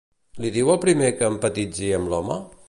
Li diu al primer que empatitzi amb l'home?